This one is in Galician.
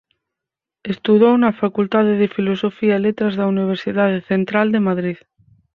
Estudou na Facultade de Filosofía e Letras da Universidade Central de Madrid.